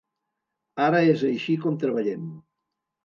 Ara és així com treballem.